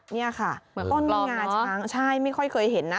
นี่ค่ะต้นงาช้างไม่ค่อยเคยเห็นนะ